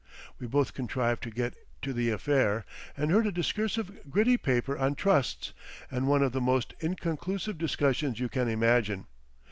We both contrived to get to the affair, and heard a discursive gritty paper on Trusts and one of the most inconclusive discussions you can imagine.